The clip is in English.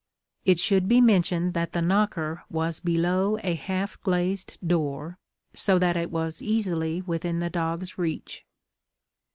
It should be mentioned that the knocker was below a half glazed door, so that it was easily within the dog's reach.